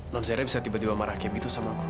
nonzara bisa tiba tiba marah kayak begitu sama aku